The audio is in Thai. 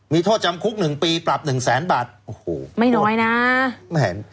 มีโทษจำคุกหนึ่งปีปรับหนึ่งแสนบาทโอ้โหไม่น้อยนะแหม